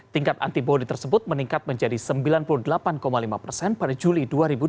tingkat antibody tersebut meningkat menjadi sembilan puluh delapan lima persen pada juli dua ribu dua puluh